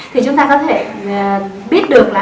thì chúng ta có thể biết được là